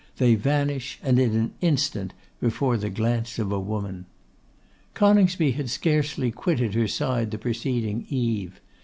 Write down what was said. They vanish, and in an instant, before the glance of a woman! Coningsby had scarcely quitted her side the preceding eve.